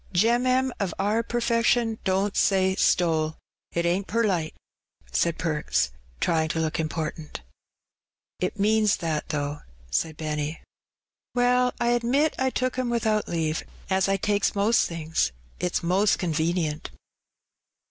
"Gem'mem of our per fession don't say stole, it ainH perlite/' said Perks, trying tp look important. ''It means that, though,'' said Benny. "Well, I admit I took 'em without leave, as I takes most things; it's most conwenient."